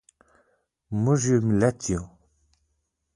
موږ یو ملت یو.